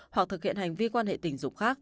hoặc thực hiện hành vi quan hệ tình dục khác